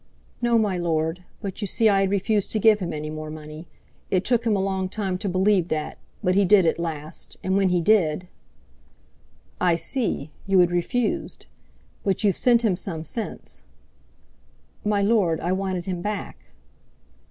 "No, my Lord, but you see I had refused to give him any more money. It took him a long time to believe that, but he did at last—and when he did...." "I see, you had refused. But you've sent him some since." "My Lord, I wanted him back."